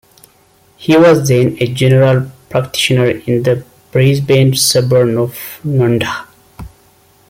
He was then a general practitioner in the Brisbane suburb of Nundah.